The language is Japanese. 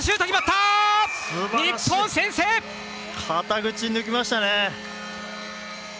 肩口、抜きましたね。